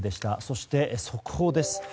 そして、速報です。